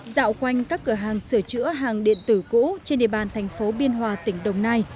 dạo quanh các cửa hàng sửa chữa hàng điện tử cũ trên địa bàn thành phố biên hòa tỉnh đồng nai